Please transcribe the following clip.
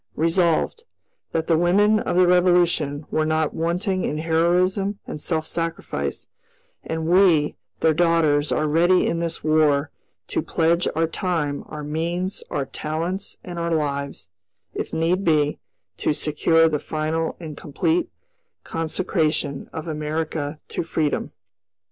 "Resolved, That the women of the Revolution were not wanting in heroism and self sacrifice, and we, their daughters, are ready, in this War, to pledge our time, our means, our talents, and our lives, if need be, to secure the final and complete consecration of America to freedom."